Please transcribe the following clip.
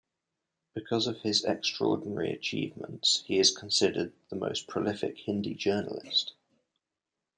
Because of his extraordinary achievements, he is considered the most prolific Hindi journalist.